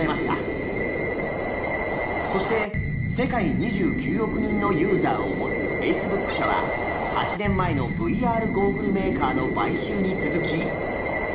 そして世界２９億人のユーザーを持つフェイスブック社は８年前のＶＲゴーグルメーカーの買収に続き。